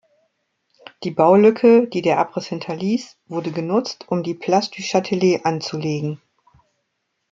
Die Baulücke, die der Abriss hinterließ, wurde genutzt, um die Place du Châtelet anzulegen.